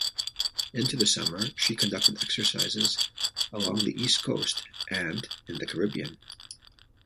Into the summer, she conducted exercises along the east coast and in the Caribbean.